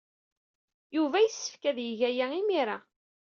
Yuba yessefk ad yeg aya imir-a.